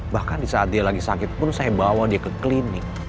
bahkan di saat dia lagi sakit pun saya bawa dia ke klinik